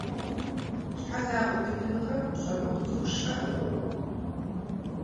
Щхьэзакъуэ хуитыныгъэм хущӀэмыкъу цӀыху щыӀэкъым.